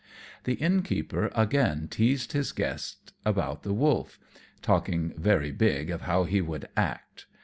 The Innkeeper again teased his guests about the wolf, talking very big of how he would act.